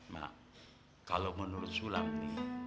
mak kalau menurut sulam nih